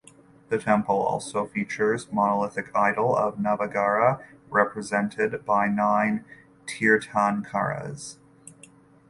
The temple also features monolithic idol of Navagraha represented by nine Tirthankaras.